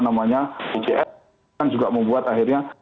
namanya pcr kan juga membuat akhirnya